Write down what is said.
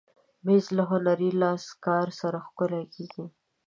مېز له هنري لاسکار سره ښکلی کېږي.